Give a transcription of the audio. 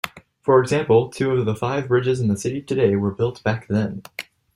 For example, two of the five bridges in the city today were built back then.